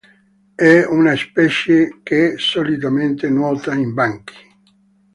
È una specie che solitamente nuota in banchi.